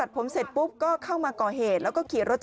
พี่แก่แล้ว